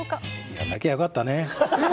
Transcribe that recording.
やんなきゃよかったね。